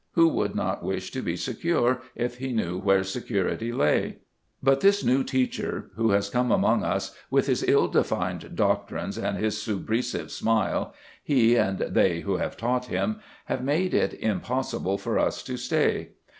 Who would not wish to be secure if he knew where security lay? But this new teacher, who has come among us with his ill defined doctrines and his subrisive smile, he and they who have taught him, have made it impossible for us to stay.